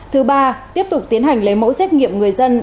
thứ ba tiếp tục tiến hành lấy mẫu xét nghiệm người dân